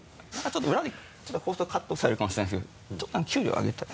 ちょっと裏で放送カットされるかもしれないんですけどちょっと給料上げて。